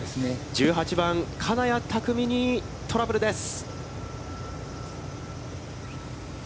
１８番、金谷拓実にトラブルです。